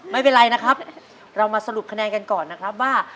ไม่เป็นไรนะครับเรามาสรุปคะแนนกันก่อนนะครับว่า